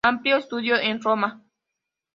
Amplió estudios en Roma.